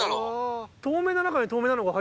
透明な中に透明なのが。